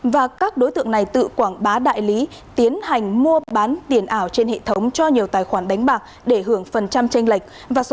và các đối tượng này tự quảng bá đại lý tiến hành mua bán tiền ảo trên hệ thống cho nhiều tài khoản đánh bạc để hưởng phần trăm tranh lệch